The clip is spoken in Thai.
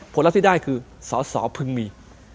ลัพธ์ที่ได้คือสอสอพึงมี